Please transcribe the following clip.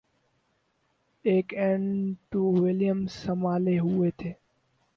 ایک اینڈ تو ولیمسن سنبھالے ہوئے تھے